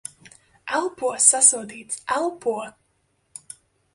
Elpo. Sasodīts. Elpo!